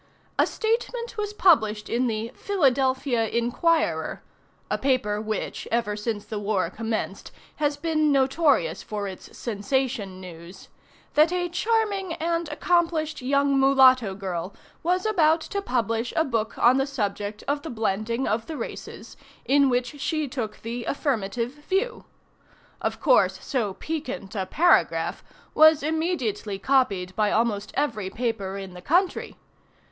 A statement was published in the "Philadelphia Inquirer" (a paper which, ever since the war commenced, has been notorious for its "sensation" news,) that a charming and accomplished young mulatto girl was about to publish a book on the subject of the blending of the races, in which she took the affirmative view. Of course, so piquant a paragraph was immediately copied by almost every paper in the country.